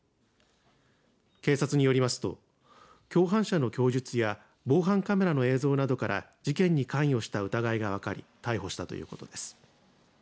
警察によりますと共犯者の供述や防犯カメラの映像などから事件に関与した疑いが分かり逮捕したということです。